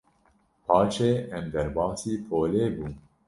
Paşê em derbasî polê bûn.